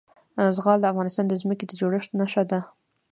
زغال د افغانستان د ځمکې د جوړښت نښه ده.